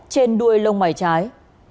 trên đuôi lông mảy trái